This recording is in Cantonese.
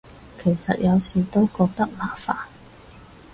其實有時都覺得麻煩